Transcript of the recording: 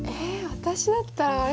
私だったらあれかな。